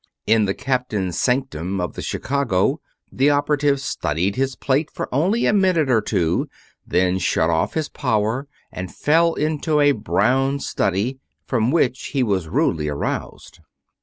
In the captain's sanctum of the Chicago, the operative studied his plate for only a minute or two, then shut off his power and fell into a brown study, from which he was rudely aroused.